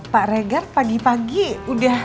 pak regar pagi pagi udah